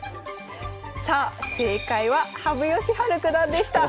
さあ正解は羽生善治九段でした。